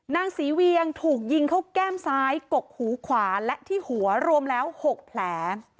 นางศรีเวียงถูกยิงเข้าแก้มซ้ายกกหูขวาและที่หัวรวมแล้ว๖แผล